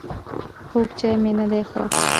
خوږ چای مي نده خوښ